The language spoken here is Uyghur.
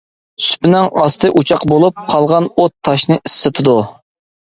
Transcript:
سۇپىنىڭ ئاستى ئوچاق بولۇپ، قالغان ئوت تاشنى ئىسسىتىدۇ.